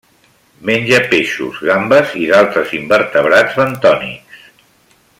Menja peixos, gambes i d'altres invertebrats bentònics.